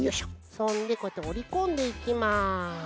そんでこうやっておりこんでいきます。